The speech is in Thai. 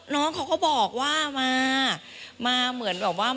น้องเขาก็บอกว่ามา